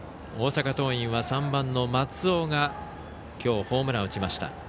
大阪桐蔭は３番の松尾がきょうホームランを打ちました。